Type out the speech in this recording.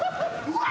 うわ！